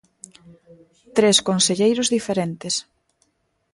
Tres conselleiros diferentes.